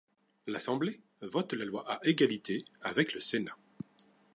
L'assemblée vote la loi à égalité avec le Sénat.